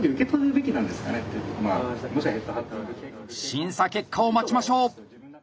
審査結果を待ちましょう。